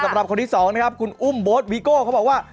สำหรับคนที่สองนะครับคุณอุ้มโบ๊ทวีโก้เขาบอกว่า